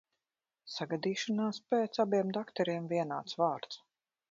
Sagadīšanās pēc abiem dakteriem vienāds vārds.